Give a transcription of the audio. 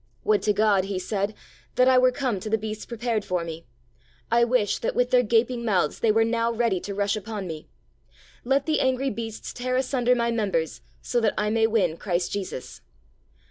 "Would to God," he said, "that I were come to the beasts prepared for me. I wish that, with their gaping mouths, they were now ready to rush upon me. Let the angry beasts tear asunder my members so that I may win Christ Jesus."